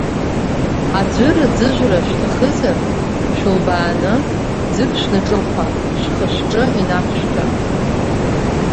Аӡәыр аӡыжәра шәҭахызар шәылбааны, ӡык шәнаҿыхәа, шәхы-шәҿы инақәшәҭәа.